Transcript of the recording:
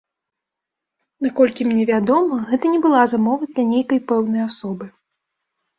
Наколькі мне вядома, гэта не была замова для нейкай пэўнай асобы.